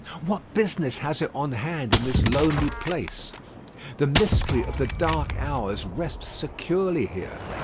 What business has it on hand in this lonely place? The mystery of the dark hours rests securely here.